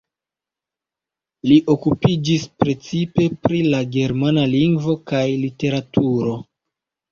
Li okupiĝis precipe pri la germana lingvo kaj literaturo.